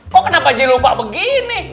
kok kenapa jadi lupa begini